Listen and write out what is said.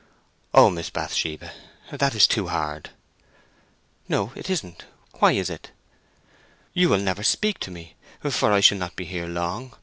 "Oh, Miss Bathsheba! That is too hard!" "No, it isn't. Why is it?" "You will never speak to me; for I shall not be here long.